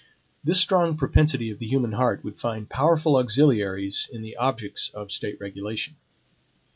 This strong propensity of the human heart would find powerful auxiliaries in the objects of State regulation.